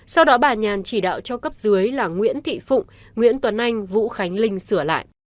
sau đó bà nhàn chỉ đạo cho cấp dưới là nguyễn thị phụng nguyễn tuấn anh vũ khánh linh sửa lại